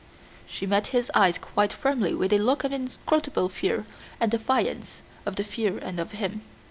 She met his eyes quite firmly with a look of inscrutable fear, and defiance of the fear and of him.